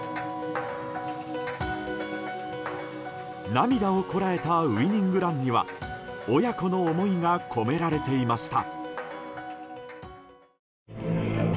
涙をこらえたウィニングランには親子の思いが込められていました。